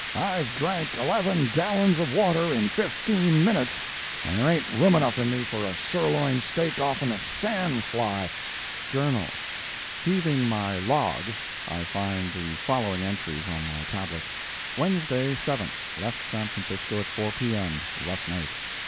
I've drank eleven gallons of water in fifteen minutes, and there ain't room enough in me for a sirloin steak off'm a sand fly!" JOURNAL Heaving my "log," I find the following entries on my tablets: Wednesday, 7th—Left San Francisco at 4 P.M.; rough night.